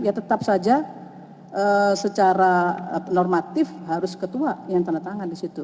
ya tetap saja secara normatif harus ketua yang tandatangan disitu